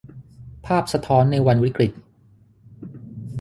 ภาพสะท้อนในวันวิกฤต